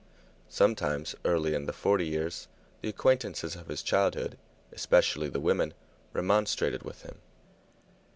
Sometimes, early in the forty years, the acquaintances of his childhood, especially the women, remonstrated with him.